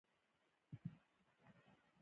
د وخت په تېرېدو لا پسې بدمرغه شول.